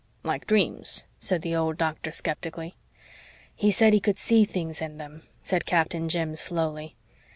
"Like dreams," said the old Doctor skeptically. "He said he could see things in them," said Captain Jim slowly.